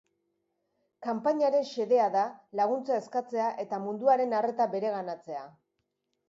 Kanpainaren xedea da laguntza eskatzea eta munduaren arreta bereganatzea.